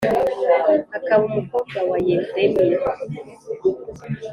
akaba umukobwa wa Yeremi